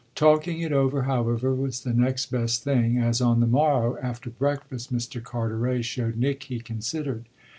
Talking it over, however, was the next best thing, as on the morrow, after breakfast, Mr. Carteret showed Nick he considered.